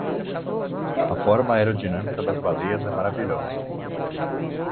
A forma aerodinâmica das baleias é maravilhosa.